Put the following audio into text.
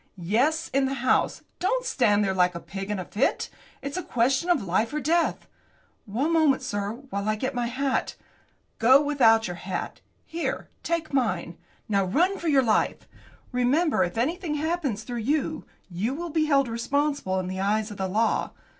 "Yes, in the house. Don't stand there like a pig in a fit. It's a question of life or death!" "One moment, sir, while I get my hat." "Go without your hat. Here; take mine. Now, run for your life. Remember, if anything happens through you, you will be held responsible in the eyes of the law.